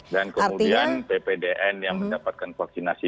dan kemudian ppdn yang mendapatkan vaksinasi